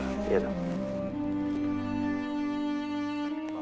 biar saya bisa berhubung dengan istri saya